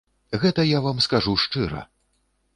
Гэта я вам скажу шчыра.